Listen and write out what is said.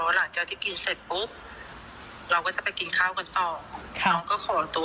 หลังจากที่กินเสร็จปุ๊บเราก็จะไปกินข้าวกันต่อ